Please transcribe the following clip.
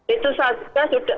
itu saja sudah